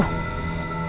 pak lampir dan mardian